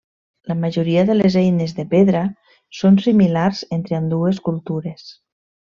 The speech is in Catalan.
La majoria de les eines de pedra són similars entre ambdues cultures.